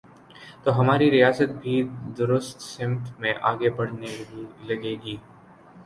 تو ہماری ریاست بھی درست سمت میں آگے بڑھنے لگے گی۔